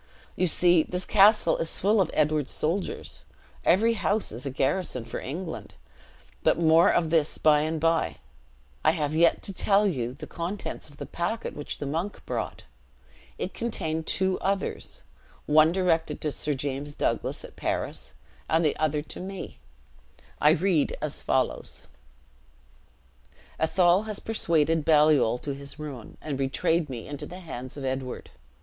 You see this castle is full of Edward's soldiers. Every house is a garrison for England but more of this by and by; I have yet to tell you the contents of the packet which the monk brought. It contained two others. One directed to Sir James Douglas, at Paris, and the other to me. I read as follows: "'Athol has persuaded Baliol to his ruin, and betrayed me into the hands of Edward.